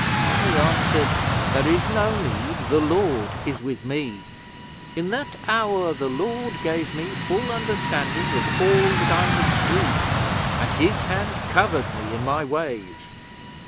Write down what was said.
I answered: "There is no need. The Lord is with me." 'In that hour the Lord gave me full understanding of all that I must do; and His Hand covered me in my ways.